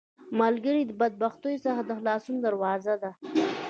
ملګری د بدبختیو څخه د خلاصون دروازه ده